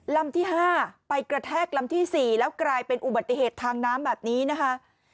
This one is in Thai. ลำที่๕ไปกระแทกลำที่๔แล้วกลายเป็นอุบัติเหตุทางน้ำแบบนี้นะคะ